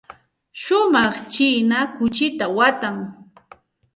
Shumaq china kuchita watan.